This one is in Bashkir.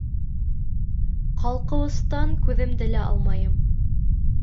Ҡалҡыуыстан күҙемде лә алмайым.